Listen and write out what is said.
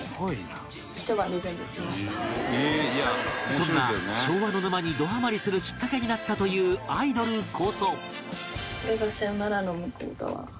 そんな昭和の沼にどハマりするきっかけになったというアイドルこそ